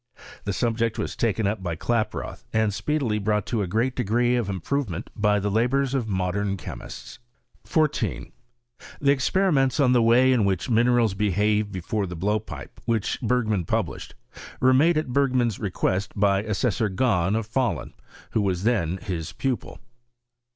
The subject was taken up by Klaproth, and speedily brought to a great degree of improvement by the labours of mo dem chemists. 14. The experiments on the way in which minerals behave before the blowpipe, which Bergman pul> ■ISTOKT or CBBMISTRT. lished, were made at Bergrman's request fay Assessor Gahn, of Pahlun. who was then his pupil.